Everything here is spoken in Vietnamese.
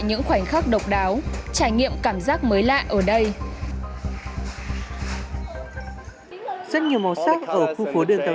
những khoảnh khắc độc đáo trải nghiệm cảm giác mới lạ ở đây rất nhiều màu sắc ở khu phố đường tàu